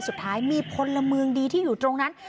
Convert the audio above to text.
สุดท้ายมีพลเมืองดีที่อยู่ตรงนั้น